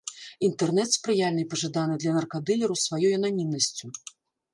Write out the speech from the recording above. Інтэрнэт спрыяльны і пажаданы для наркадылераў сваёй ананімнасцю.